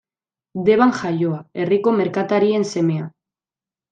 Deban jaioa, herriko merkatarien semea.